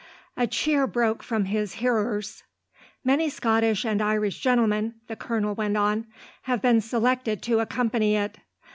A cheer broke from his hearers. "Many Scottish and Irish gentlemen," the colonel went on, "have been selected to accompany it.